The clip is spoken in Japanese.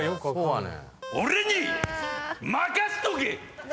俺に任しとけ！